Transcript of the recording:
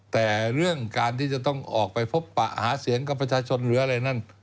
แต่เรื่องการที่จะต้องออกไปพบปะหาเสียงกับประชาชนหรืออะไรนั้น